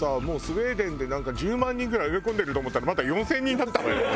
もうスウェーデンでなんか１０万人ぐらい埋め込んでると思ったらまだ４０００人だったわよ